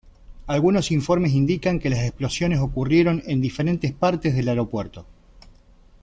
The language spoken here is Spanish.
Algunos informes indican que las explosiones ocurrieron en diferentes partes del aeropuerto.